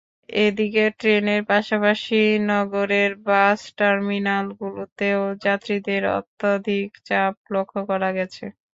এদিকে, ট্রেনের পাশাপাশি নগরের বাস টার্মিনালগুলোতেও যাত্রীদের অত্যধিক চাপ লক্ষ্য করা গেছে।